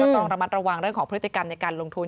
ต้องระมัดระวังเรื่องของพฤติกรรมในการลงทุน